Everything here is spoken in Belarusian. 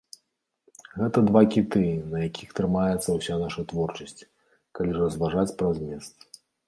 Гэта два кіты, на якіх трымаецца ўся наша творчасць, калі разважаць пра змест.